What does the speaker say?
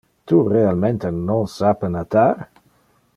Tu realmente non sape natar?